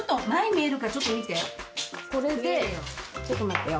これでちょっと待ってよ。